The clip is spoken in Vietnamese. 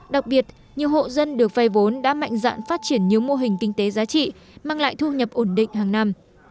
đặc biệt nhiều hộ dân được vay vốn đã mạnh dạn phát triển nhiều mô hình kinh tế giá trị mang lại thu nhập ổn định hàng năm